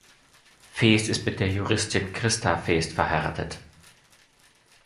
Feest ist mit der Juristin Christa Feest verheiratet.